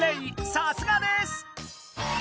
さすがです！